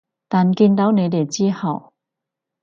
但見到你哋之後